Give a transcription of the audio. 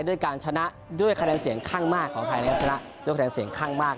ด้วยการชนะด้วยคะแนนเสียงข้างมากของไทยนะครับชนะด้วยคะแนนเสียงข้างมาก